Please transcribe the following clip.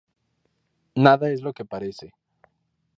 Nada es lo que parece.